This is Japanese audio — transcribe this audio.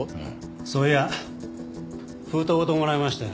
そういや封筒ごともらいましたよ。